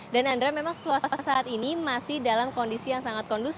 dan andra memang suasana saat ini masih dalam kondisi yang sangat konfliksa